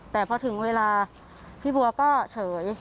แต่พอถึงเวลาพี่บัวก็เฉย